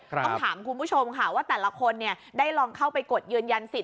ต้องถามคุณผู้ชมค่ะว่าแต่ละคนได้ลองเข้าไปกดยืนยันสิทธ